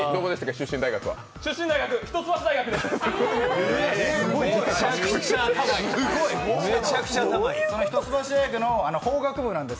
出身大学、一橋大学です。